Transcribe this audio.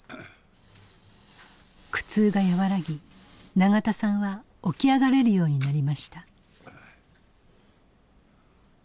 苦痛が和らぎ永田さんは起き上がれるようになりました。